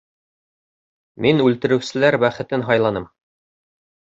Мин үлтереүселәр бәхетен һайланым.